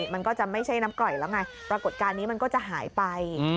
มันก็จะไม่ใช่น้ำกร่อยแล้วไงปรากฏการณ์นี้มันก็จะหายไป